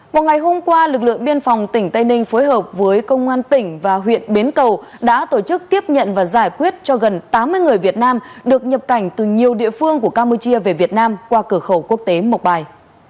vào ngày hôm qua lực lượng biên phòng tỉnh tây ninh phối hợp với công an tỉnh và huyện bến cầu đã tổ chức tiếp nhận và giải quyết cho gần tám mươi người việt nam được nhập cảnh từ nhiều địa phương của campuchia về việt nam qua cửa khẩu quốc tế mộc bài